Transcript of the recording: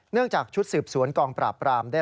เนื่องจากชุดสืบสวนกองปราบบุกรวบโชเฟอร์แท็กซี่